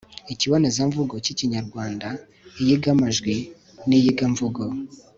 ikibonezamvugo k'ikinyarwanda iyigamajwi n'iyigamvugo